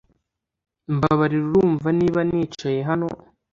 Mbabarira urumva niba nicaye hano